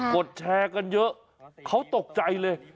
ดแชร์กันเยอะเขาตกใจเลย